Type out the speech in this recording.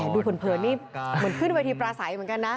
ดูผลเพลินนี่เหมือนขึ้นในวัยทีปราศัยเหมือนกันนะ